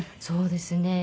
そうですね。